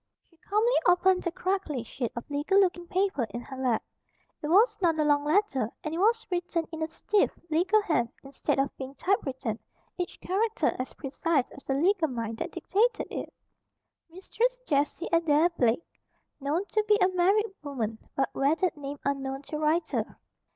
She calmly opened the crackly sheet of legal looking paper in her lap. It was not a long letter, and it was written in a stiff, legal hand, instead of being typewritten, each character as precise as the legal mind that dictated it: "Mistress Jessie Adair Blake, (Known to be a married woman, but wedded name unknown to writer.)